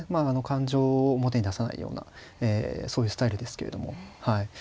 感情を表に出さないようなそういうスタイルですけれどもはい。